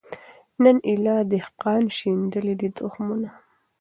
نن ایله دهقان شیندلي دي تخمونه